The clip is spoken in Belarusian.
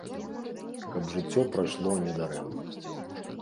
Каб жыццё прайшло не дарэмна.